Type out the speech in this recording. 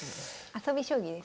遊び将棋ですかね。